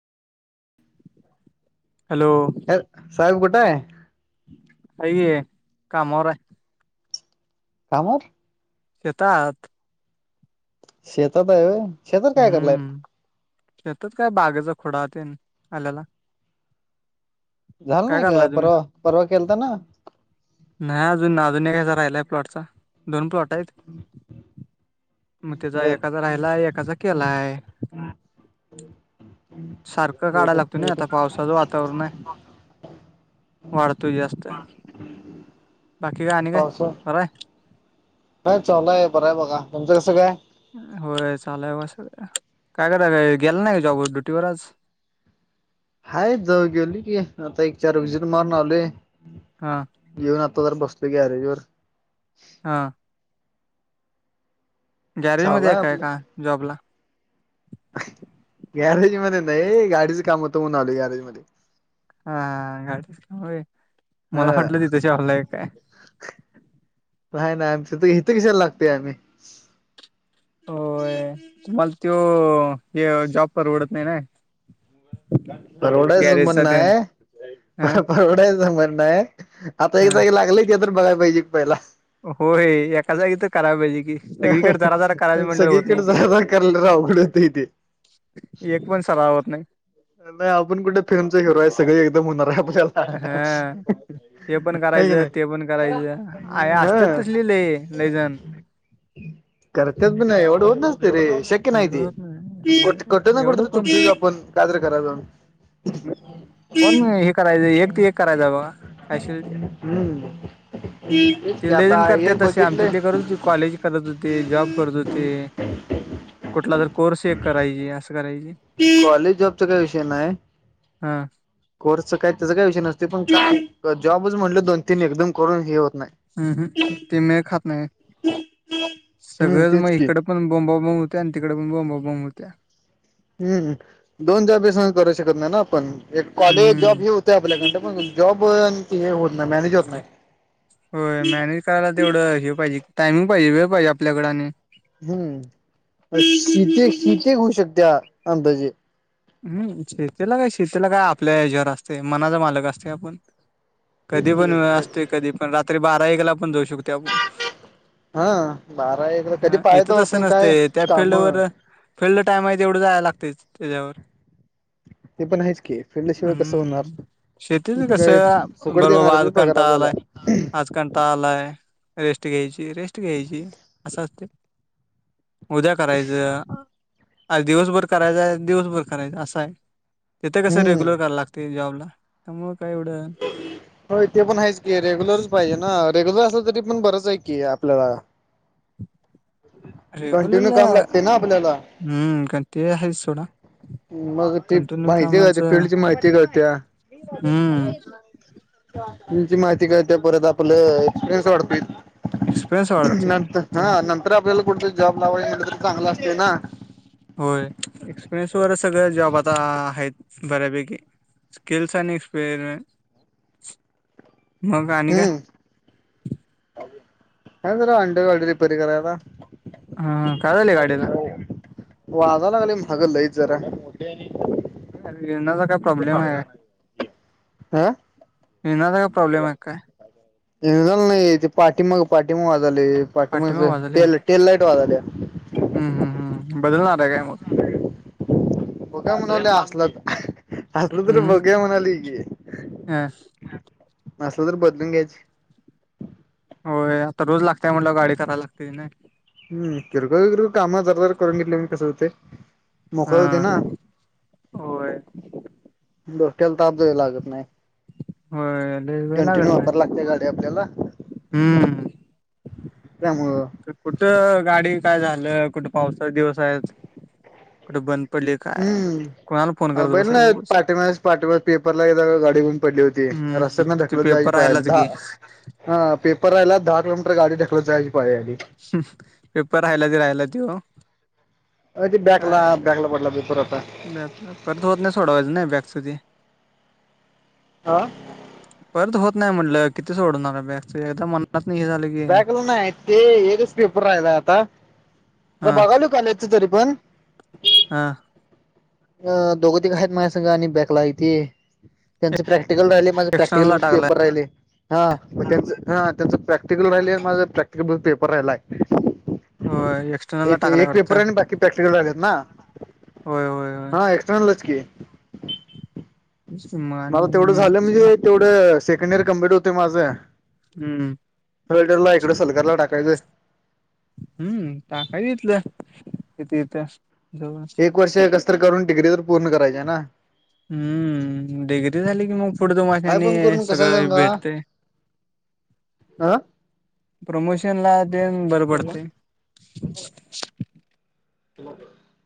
Hello साहेब कुठ्ये? [unintelligible] कामावरये. कामावर? शेतात. शेतात आहे? शेतात काय करलाय? हम्म शेतात काय? बागेचा खोडा ते आल्याला. झालं काय नाही का? करालाय तुम्ही परवा, परवा केलता ना? नाही अजून. अजून एकाचा राहिलाय प्लॉटचा. दोन प्लॉट आहेत. मग त्याचा बर एकाचा राहिलाय. एकाचा केलाय. सारखं काढाला लागतो ना? आता पावसाच वात - तर नाही. वाढतोय जास्त. बाकी काए? आणि काय? बरंय? जॉब सोडला आहे बरं आहे बघा. तुमचं कसं काय? होय. चाललय बुवा असं. काय करायलाय? गेला नाही जॉबवर ड्युटीवर आज? हाय. जाऊ गेली की आता एक चार व्हिजिट मारून आलोय. हा. येऊन आता जरा बसलोय गॅरेज वर. हा. गॅरेज चालूय मध्येए काय आपलं का जॉबला? गॅरेज मध्ये नाही. गाडीचं काम होतं म्हणून आलोय गॅरेज मध्ये. हा. [unintelligible] मला हा वाटलं तू जॉबला आहे काय? नाही नाही. आमच्या ते इथे कशाला लागतोय आम्ही? होय. तुम्हाला त्यो जॉब परवडत नाही ना? परवडायचं गॅरेजचा तेन म्हणणय. हा परवडायच म्हणणय. आता एक हा जागी लागलय ते तरि बघाय पाहिजे की पहिला? होय एका जागी तर करायला पाहिजे की सगळीकडे जरा जरा करायचं अ. म्हटल्यावर होत नाही सगळीकडे ते जा करायला जरा अवघडए. ते ते. एक पण सराव होत नाही. नाही. आपण कुठे फिल्मचा हिरो आहे. सगळे एकदम होणार आहे आपल्याला. हा हे पण हाय की करायचं. ते नाही पण करायचं. अरे असतात हा तसले ले लइजण. करत्यात पण, एवढं होत नसतय रे! शक- क्य नाही एवढं ते. होत कुठ नाही ना एवढं कुठतरी कोण चुकतो आपण. कायतरी कराय जाऊन. पण हे करायचं. एक ते एक करायचं बघा. काय शोधिते? हम्म तेच ते की नवीन आता करत्यात एक तसे आमच्या बघितलंय [unintelligible] कॉलेज करत होते. जॉब करत होते. कुठला तर कोर्स एक करायची. असं करायची. कॉलेज, जॉबचा काही विषय नाही. हम्. कोर्सचा काय? त्याचा काही विषय नसतोय. पण जॉबच म्हटलं दोन तीन एकदम करून हे होत नाही. हम्म. ह ते मेळ खात नाही. हम्म सगळंच म तेच की इकड- बोंबाबोंब होतिया आणि तिकडे पण बोंबा बोंब होतिया. हम्म. दोन जॉबस कस करू शकत नाही ना आपण? एक कॉलेज जॉब हम्म [unintelligible] ते आपल्याकडन पण. जॉब न ते हे होत नाही मॅनेज होत नाही. होय मॅनेज करायला तेवढं, हे पाहिजे. टायमिंग पाहिजे. वेळ पाहिजे आपल्याकड आणि. हम्म. शेती शेती होऊ शकतेया अंदाजे. हम्म शेतीला काय? शेतीला काय आपल्या याच्यावर असतए. मनाचा मालक असतोय आपण. कधी पण वेळ असतोय. कधी पण रात्री बारा एकला पण जाऊ शकतोय आपण. हा बारा एकला कधी हा. इथ पाहतो तसं आपण काय नसतए त्या काम फिल्डवर- फिल्ड टाइम आहे तेवढं जायला लागतेच त्याच्यावर. ते पण आहेच की. फिल्डशिवाय कसं होणार? हम्म शेतीच ते काय कसं फुकट बर बाबा देणार आहे आज पगार कंटाळा आपल्याला आलाय आजकाल कंटाळा आलाय रेस्ट घ्यायची रेस्ट घ्यायची असं असतय. उद्या करायचं आ दिवसभर करायचंय दिवसभर करायच असं आहे तेिथे कसं हम्म रेग्युलर करायला लागते जॉबला त्यामुळे काय एवढं [inaudible] हो ते पण आहेच की रेग्युलरच पाहिजे ना रेग्युलर असलं तरी पण बरंच आहे की आपल्याला. [inaudible] कंटिन्यू रेगुलरला काम लागते ना आपल्याला हम्म तेही हायच सोडा. मग ती कंटिन्यू माहिती [unintelligible] कामाचं फिल्ड ची माहिती कळतीया. हम्म तेची माहिती कळताच परत आपलं एक्सपिरियन्स वाढतोय. एक्सपिरियन्स वाढते नंतर ते हा नंतर आपल्याला कोणत जॉब लावाय नंतर चांगला असतो ना. होय एक्सपिरियन्स वर सगळं जॉब आता आहेत बऱ्यापैकी. स्किल्स आणि एक्सपेरिमेंट. [inaudible] मग आणि काय? हम्म काय नाही जरा अंड व वाडी रिपेयर करायला. हां व-वाजाय लागलंय [unintelligible] लयच जरा. [unintelligible] चा काय प्रॉब्लेम आहे. हां निनादा का प्रॉब्लेम आहे काय? एकदम नाहीये ते पाठीमाग पाठीमाग [unintelligible] पाठीमाग तेल तेल लाईट वाला त्या. हम् हम् हम्म बदलणार रे काय मग? कुठ म्हणाले असल असल तर हम्म बघुया म्हणाली की ह असल तर बदलून घ्यायची. होय आता रोज लागतेय म्हटलं गाडी करायला लागते नाही. हम्म किरकोळ काम जर जर करून घेतले मी कस होते मोकळे हा होते ना. होय डोक्याला ताप द्यावे लागत नाही. होय लय वेळ कंटिन्यू लागत नाही वापरायला लागते गाडी आपल्याला. हम्म त्यामुळे. कुठं गाडी काय झालं कुठे पावसाचे दिवस आहे. कोणाला फोन हम्म करत [unintelligible] ना बसायचं उगच पाटस पाटवा पेपर वरती. [unintelligible] ग गाडी घऊन पडली होती हम्म रस्त्यात ना ते ढकलत जायची पेपर पाळी राहिलाच घे आली. हा पेपर राहिला दहा किलोमीटर गाडी ढकलत जायची पाळी आली. पेपर राहायला ते राहिला तो. अ ते बॅकला बॅकला पडला पेपर आता. बॅप परत होत नाही सोडावेच ना बॅक साठी. हां परत होत नाही म्हटलं किती सोडणार आहे बॅक एकदा मनातन हे झालं की बॅकला नाय आहेत ते एकच पेपर राहिला आता तर हा बघाल कॉलेजच तरी पण. हां अ दोघं तीघ आहेत माझ्या संग आणि बॅकला तेे त्यांचे प्रॅक्टिकल राहिले. माझ एक्स्टर्नल प्रॅक्टिकल ला टाकलाय पेपर राहिले. हा म त्यांच हा त्यांचं प्रॅक्टिकल राहिले माझा प्रॅक्टिकल पेपर राहिलाय. हो एक्स्टर्नल ला टाकलाय एक पेपर वाटत. आणि बाकी प्रॅक्टिकल राहिलेत ना. होय होय हा एक्सटर्नलचज की माने मला तेवढं झालं [unintelligible] म्हणजे तेवढं सेकंड इयर कम्प्लीट होते माझं. हम्म हम्म. फलटरला इकडे सलकारला टाकायचं. हम्म ताकाय इथल किती येतंय. एक वर्ष कसत करून डिग्री तर पूर्ण करायची ना. हम्म डिग्री झाली की मग पुढे दो काय मासने पण करून कस सगळं सांगा भेटते. [unintelligible] प्रमोशन ला देन बरं पडतय. ह